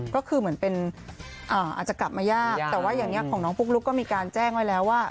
ก็คือเหมือนเป็นอาจจะกลับมายากแต่ว่าอย่างนี้ของน้องปุ๊กลุ๊กก็มีการแจ้งไว้แล้วว่า